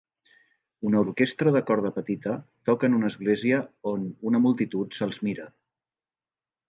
Una orquestra de corda petita toca en una església on una multitud se'ls mira.